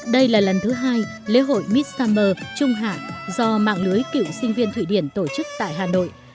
đây là lần thứ hai lễ hội miss summer trung hạ do mạng lưới cựu sinh viên thụy điển tổ chức tại hà nội